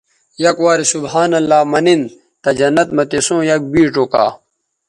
یک وارے سبحان اللہ منن تہ جنت مہ تسوں یک بیڇ اوکا